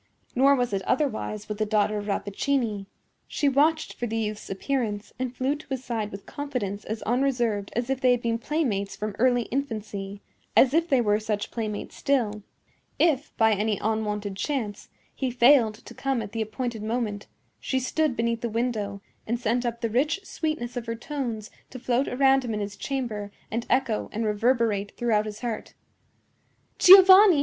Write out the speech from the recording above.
Nor was it otherwise with the daughter of Rappaccini. She watched for the youth's appearance, and flew to his side with confidence as unreserved as if they had been playmates from early infancy—as if they were such playmates still. If, by any unwonted chance, he failed to come at the appointed moment, she stood beneath the window and sent up the rich sweetness of her tones to float around him in his chamber and echo and reverberate throughout his heart: "Giovanni!